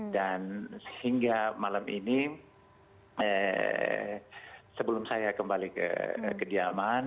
dan sehingga malam ini sebelum saya kembali ke diaman